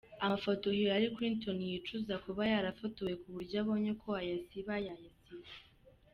Amafoto Hillary Clinton yicuza kuba yarafotowe ku buryo abonye uko ayasiba yayasiba.